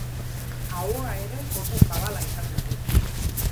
Ahoa ere oso zabala izaten du.